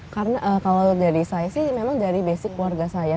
karena kalau dari saya sih memang dari basic keluarga saya